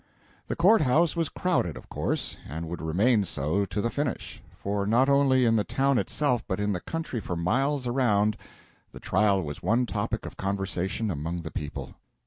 The court house was crowded, of course, and would remain so to the finish, for not only in the town itself, but in the country for miles around, the trial was the one topic of conversation among the people.